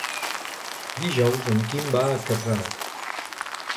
Dijous en Quim va a Catral.